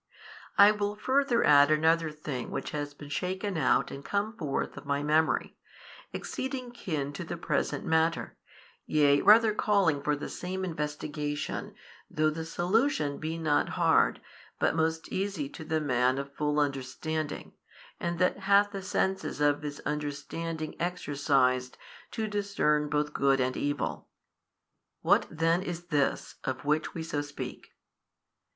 I will further add another thing which has been shaken out and come forth of my memory, exceeding kin to the present matter, yea rather calling for the same investigation, though the solution be not hard, but most easy to the man of full understanding and that hath the senses of his understanding exercised to discern both good and evil. What then is this, of which we so speak?